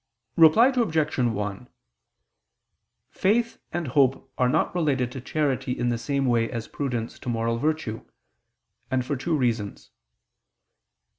Reply Obj. 1: Faith and hope are not related to charity in the same way as prudence to moral virtue; and for two reasons.